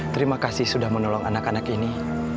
terima kasih sudah menolong anak anak ini